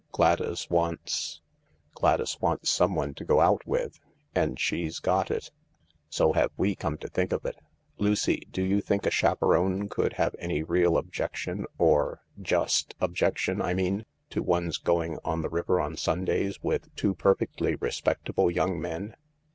Gladys wants " "Gladys wants someone to go out with— and she's got it." " So have we, come to think of it. Lucy, do you think a chaperone could have any real objection— any just objec tion, I mean— to one's going on the river on Sundays with two perfectly respectable young men